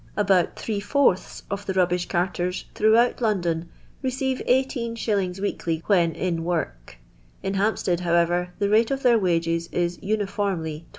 About three fourths of the rubbish carters throughout Londonreceive ISir. weekly, when in work; in Hampstead, however, the rate of their wages is (uniformly) 20«.